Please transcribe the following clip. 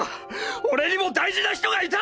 俺にも大事な人がいた！！